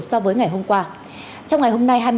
so với ngày hôm qua trong ngày hôm nay